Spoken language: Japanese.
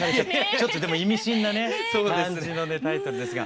ちょっと意味深な感じのタイトルですが。